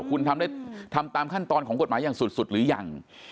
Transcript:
คุณทำตามขั้นตอนของกฎหมายอย่างสุดหรือยัง